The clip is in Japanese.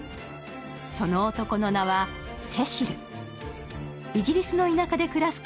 その男の名はセシル。